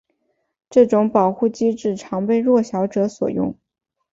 这种保护机制常被弱小者所用。